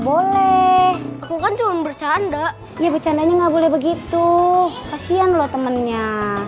boleh aku kan cuman bercanda ya bercandanya nggak boleh begitu kasihan loh temennya